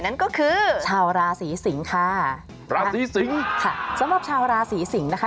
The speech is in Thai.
นั่นก็คือชาวราศีสิงค่ะสำหรับชาวราศีสิงนะคะ